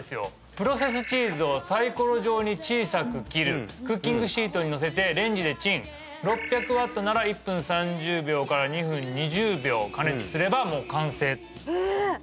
プロセスチーズをサイコロ状に小さく切るクッキングシートにのせてレンジでチン６００Ｗなら１分３０秒から２分２０秒加熱すればもう完成え！